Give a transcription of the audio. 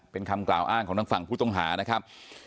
เป็นคำกล่าวอ้างของทางฝั่งผู้ต้องหานะครับ